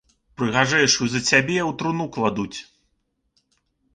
Прыгажэйшую за цябе ў труну кладуць.